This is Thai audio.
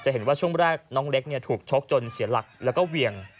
เห็นว่าช่วงแรกน้องเล็กถูกชกจนเสียหลักแล้วก็เวียง